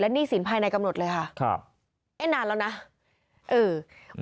และหนี้สินภายในกำหนดเลยค่ะค่ะไอ้นานแล้วนะอืม